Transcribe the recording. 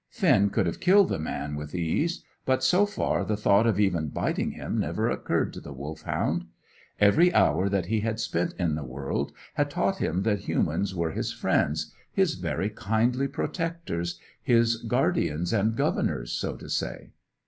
Finn could have killed the man with ease; but, so far, the thought of even biting him never occurred to the Wolfhound. Every hour that he had spent in the world had taught him that humans were his friends, his very kindly protectors, his guardians and governors, so to say.